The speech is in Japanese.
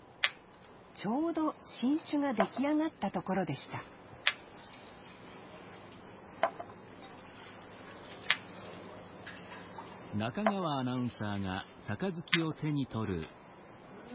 ちょうど新酒が出来上がったところでしたうわ。